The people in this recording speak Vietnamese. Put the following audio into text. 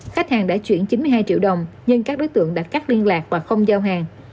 khách hàng đã chuyển chín mươi hai triệu đồng nhưng các đối tượng đã cắt liên lạc và không giao hàng